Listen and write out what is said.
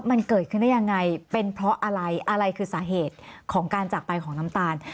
มันเกิดขึ้นได้ยังไงเป็นเพราะอะไรอะไรคือสาเหตุของการจากไปของน้ำตาล